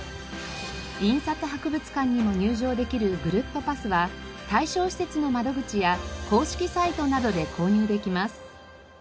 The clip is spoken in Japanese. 印刷博物館にも入場できるぐるっとパスは対象施設の窓口や公式サイトなどで購入できます。